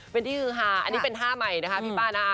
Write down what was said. เป็นที่ฮือฮาอันนี้เป็นท่าใหม่นะคะพี่ป้านะ